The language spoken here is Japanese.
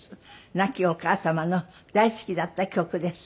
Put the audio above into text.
亡きお母様の大好きだった曲です。